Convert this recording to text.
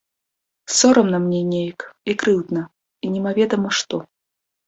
Сорамна мне неяк і крыўдна і немаведама што.